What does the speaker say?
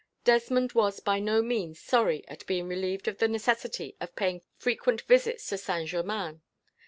Desmond was, by no means, sorry at being relieved of the necessity of paying frequent visits to Saint Germain.